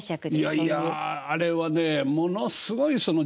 いやいやあれはねえものすごい情感がねえ